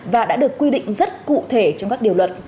và đã được quy định rất cụ thể trong các điều luật